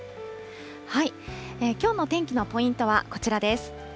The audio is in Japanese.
きょうの天気のポイントはこちらです。